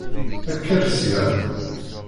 Kker sya!